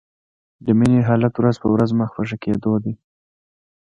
د مينې حالت ورځ په ورځ مخ په ښه کېدو و